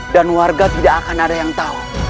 dan warga tidak akan ada yang tahu